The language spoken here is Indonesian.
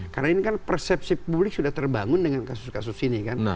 karena ini kan persepsi publik sudah terbangun dengan kasus kasus ini kan